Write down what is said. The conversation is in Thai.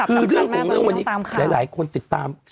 คือเรื่องของเรื่องวันนี้หลายคนติดตาม